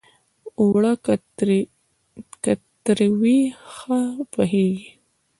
اوړه که ترۍ وي، ښه نه پخېږي